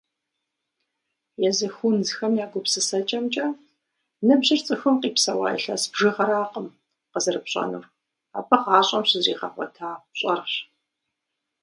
Езы хунзхэм я гупсысэкӏэмкӏэ, ныбжьыр цӏыхум къипсэуа илъэс бжыгъэракъым къызэрыпщӏэнур, абы гъащӏэм щызригъэгъуэта пщӏэрщ.